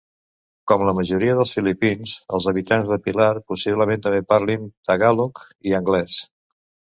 Com la majoria dels filipins, els habitants de Pilar possiblement també parlin tagàlog i anglès.